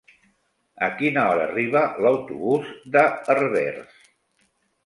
A quina hora arriba l'autobús de Herbers?